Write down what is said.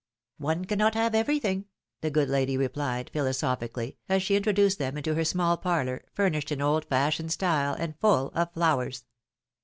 One cannot have everything," the good lady replied, philosophically, as she introduced them into her small parlor, furnished in old fashioned style, and full of flowers.